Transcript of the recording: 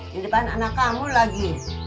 di depan anak kamu lagi